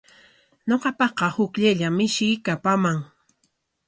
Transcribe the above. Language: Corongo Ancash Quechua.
Ñuqapaqa hukllayllam mishii kapaman.